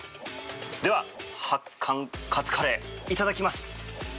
では、発汗勝つカレーいただきます。